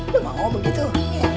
lu mau begitu